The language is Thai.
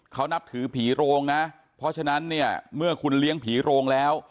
เขานับถือผีโรงนะเพราะฉะนั้นเนี่ยเมื่อคุณเลี้ยงผีโรงแล้ว